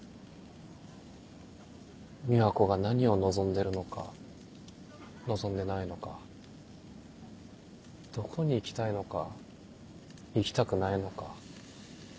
美和子が何を望んでるのか望んでないのかどこに行きたいのか行きたくないのか。